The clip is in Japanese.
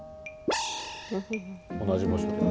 同じ場所だ。